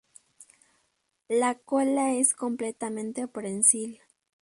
La cola es completamente prensil.